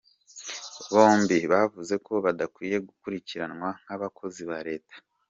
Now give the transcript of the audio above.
Bombi bavuze ko badakwiye gukurikiranwa nk’abakozi ba Leta